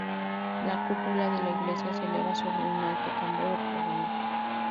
La cúpula de la iglesia se eleva sobre un alto tambor octogonal.